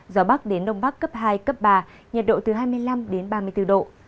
gió bắc đến đông bắc cấp hai cấp ba nhiệt độ từ hai mươi năm đến ba mươi bốn độ